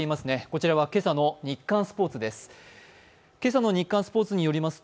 こちらは今朝のニッカンスポーツです。